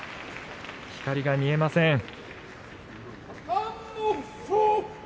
光が見えません。